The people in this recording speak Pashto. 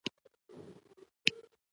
زه د انلاین خپرونو لیدو ته میلان لرم.